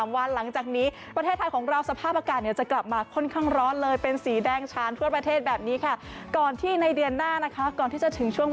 วันหลังจากนี้ประเทศไทยของเราสภาพอากาศเนี่ยจะกลับมาค่อนข้างร้อนเลยเป็นสีแดงชานทั่วประเทศแบบนี้ค่ะก่อนที่ในเดือนหน้านะคะก่อนที่จะถึงช่วง